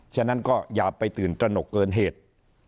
ฉะนั้นก็อย่าไปตื่นตระหนกเกินเหตุ